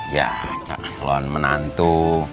ya calon menantu